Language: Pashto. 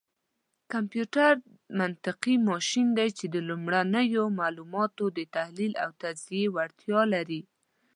کمپيوټر منطقي ماشين دی، چې د لومړنيو معلوماتو دتحليل او تجزيې وړتيا لري.